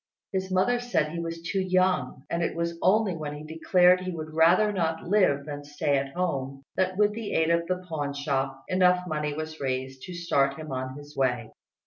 His mother said he was too young; and it was only when he declared he would rather not live than stay at home, that with the aid of the pawn shop enough money was raised to start him on his way.